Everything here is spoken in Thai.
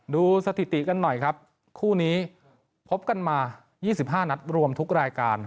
สถิติกันหน่อยครับคู่นี้พบกันมา๒๕นัดรวมทุกรายการ